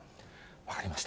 分かりました。